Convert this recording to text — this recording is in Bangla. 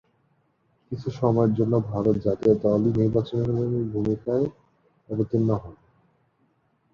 কিছু সময়ের জন্যে ভারত জাতীয় দল নির্বাচকের ভূমিকায় অবতীর্ণ হন।